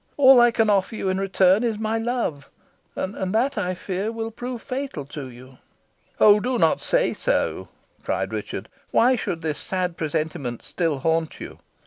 All I can offer you in return is my love, and that, I fear, will prove fatal to you." "Oh! do not say so," cried Richard. "Why should this sad presentiment still haunt you?